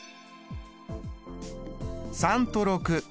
３と６。